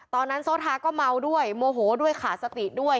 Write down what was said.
โซทาก็เมาด้วยโมโหด้วยขาดสติด้วย